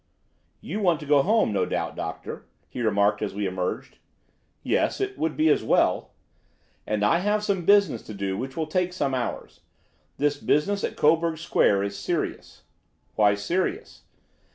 "You want to go home, no doubt, Doctor," he remarked as we emerged. "Yes, it would be as well." "And I have some business to do which will take some hours. This business at Coburg Square is serious." "Why serious?"